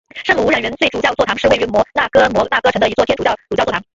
圣母无染原罪主教座堂是位于摩纳哥摩纳哥城的一座天主教主教座堂。